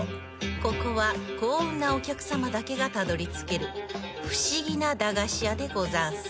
ここは幸運なお客さまだけがたどりつける不思議な駄菓子屋でござんす。